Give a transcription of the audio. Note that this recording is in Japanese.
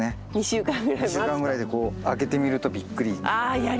２週間ぐらいでこう開けてみるとびっくりみたいな。